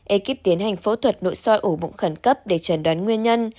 ekip tiến hành phẫu thuật nội soi ổ bụng khẩn cấp để chẩn đoán nguyên nhân